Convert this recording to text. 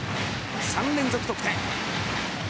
３連続得点。